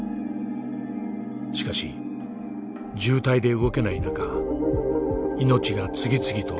しかし渋滞で動けない中命が次々と奪われます。